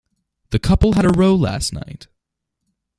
The couple had a row last night.